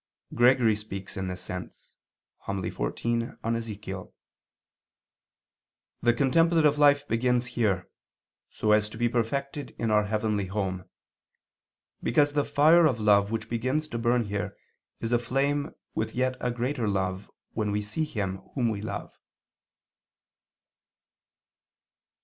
Gregory speaks in this sense (Hom. xiv in Ezech.): "The contemplative life begins here, so as to be perfected in our heavenly home, because the fire of love which begins to burn here is aflame with a yet greater love when we see Him Whom we love."